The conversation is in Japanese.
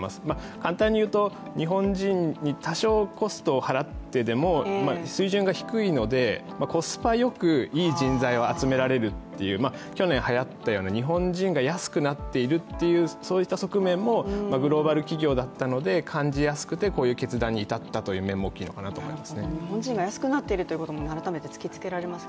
簡単に言うと、日本人に多少コストを払ってでも、水準が低いのでコスパよくいい人材を集められるという去年はやったような日本人が安くなっているという側面も、グローバル企業だったので感じやすくてこういう決断に至った面も大きいと思いますね日本人が安くなっているということも改めて突きつけられますね。